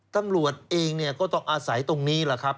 ตำรวจเองเนี่ยก็ต้องอาศัยตรงนี้แหละครับ